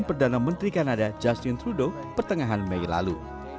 perdana menteri kanada justin trudeau pertengahan mei lalu